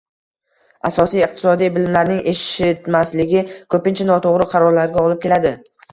Asosiy iqtisodiy bilimlarning etishmasligi ko'pincha noto'g'ri qarorlarga olib keladi